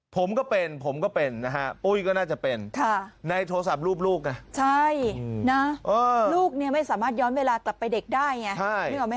ผมก็เป็นผมก็เป็นนะฮะปุ้ยก็น่าจะเป็นในโทรศัพท์รูปลูกนะใช่นะลูกเนี่ยไม่สามารถย้อนเวลากลับไปเด็กได้ไง